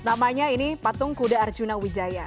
namanya ini patung kuda arjuna wijaya